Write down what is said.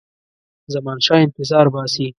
زمانشاه انتظار باسي.